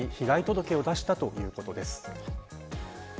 店は警察に被害届を出したということです。